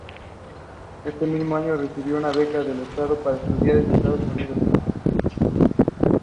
Ese mismo año recibió una beca del Estado para estudiar en Estados Unidos.